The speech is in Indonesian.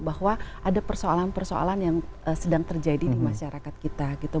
bahwa ada persoalan persoalan yang sedang terjadi di masyarakat kita gitu